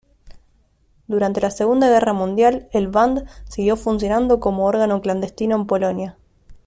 Durante la Segunda Guerra Mundial, el Bund siguió funcionando como órgano clandestino en Polonia.